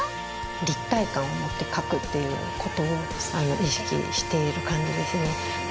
立体感を持って描くっていうことを意識している感じですね。